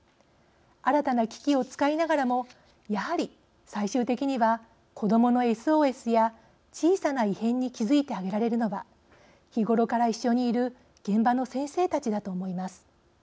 新たな機器を使いながらもやはり最終的には子どものＳＯＳや小さな異変に気付いてあげられるのは日頃から一緒にいる現場の先生たちだと思います。